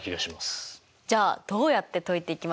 じゃあどうやって解いていきますか？